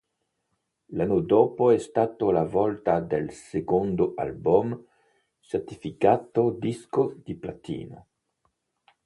L'anno dopo è stata la volta del secondo album, certificato disco di platino.